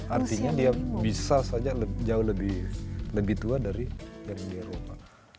artinya dia bisa saja jauh lebih tua dari uni eropa